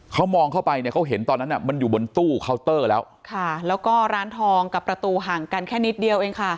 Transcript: เขามองเข้าไปเนี่ยเขาเห็นตอนนั้นอ่ะมันอยู่บนตู้เคาน์เตอร์แล้วค่ะแล้วก็ร้านทองกับประตูห่างกันแค่นิดเดียวเองค่ะ